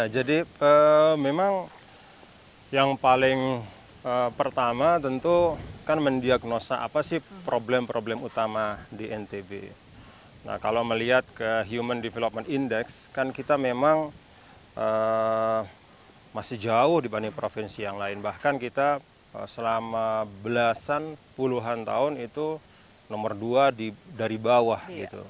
jadi memang yang paling pertama tentu kan mendiagnosa apa sih problem problem utama di ntb nah kalau melihat ke human development index kan kita memang masih jauh dibanding provinsi yang lain bahkan kita selama belasan puluhan tahun itu nomor dua dari bawah